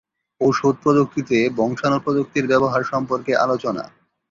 ঔষধ প্রযুক্তিতে বংশাণু প্রযুক্তির ব্যবহার সম্পর্কে আলোচনা।